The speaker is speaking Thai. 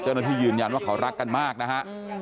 เจ้าหน้าที่ยืนยันว่าเขารักกันมากนะครับ